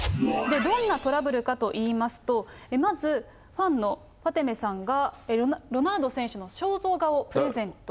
どんなトラブルかといいますと、まず、ファンのファテメさんが、ロナウド選手の肖像画をプレゼントしました。